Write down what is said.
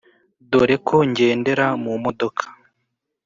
dore ko ngendera mu modoka